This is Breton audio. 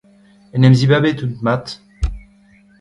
En em zibabet out mat.